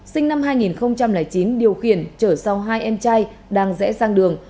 sinh năm hai nghìn chín điều khiển chở sau hai em trai đang rẽ sang đường